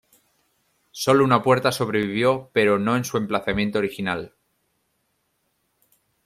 Sólo una puerta sobrevivió, pero no en su emplazamiento original.